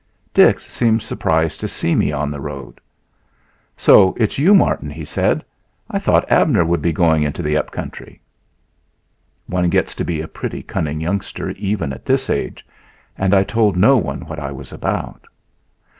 Dix seemed surprised to see me on the road. "So it's you, Martin," he said; "I thought Abner would be going into the upcountry." One gets to be a pretty cunning youngster, even at this age, and I told no one what I was about.